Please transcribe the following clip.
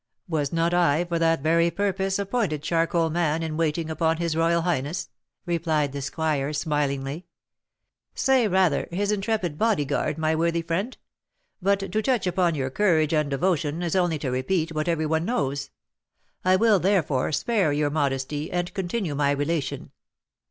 "Was not I, for that very purpose, appointed charcoal man in waiting upon his royal highness?" replied the squire, smilingly. "Say, rather, his intrepid body guard, my worthy friend. But to touch upon your courage and devotion is only to repeat what every one knows. I will, therefore, spare your modesty, and continue my relation.